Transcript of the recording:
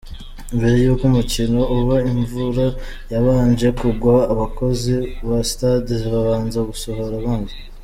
Mbere y'uko umukino uba imvura yabanje kugwa abakozi ba sitade babanza gusohora amazi.